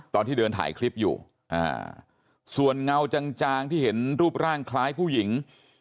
ตอนที่เดินถ่ายคลิปอยู่ส่วนเงาจางที่เห็นรูปร่างคล้ายผู้หญิง